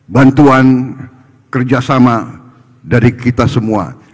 bantuan kerjasama dari kita semua